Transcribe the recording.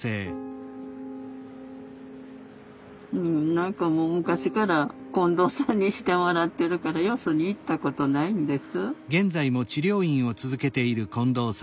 何かもう昔から近藤さんにしてもらってるからよそに行ったことないんです。